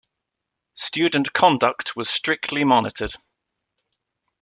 Student conduct was strictly monitored.